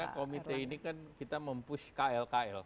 karena komite ini kan kita mempush kl kl